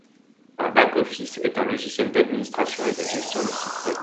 Un Back office est un logiciel d'administration et de gestion de site web.